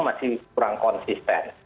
masih kurang konsisten